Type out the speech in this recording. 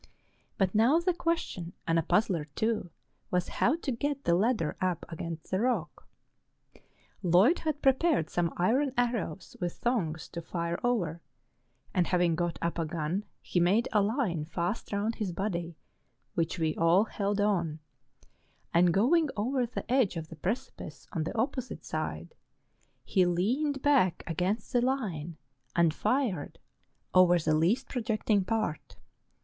But now the question, and a puzzler, too, was how to get the ladder up against the rock. Lloyd had prepared some iron arrows with tbongs to fire over; and, having got up a gun, he made a line fast round his body, which we all held on, and going over the edge of the precipice on the opposite side, he leaned back against the line and fired over the least projecting part.